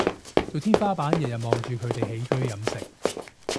做天花板日日望住佢哋起居飲食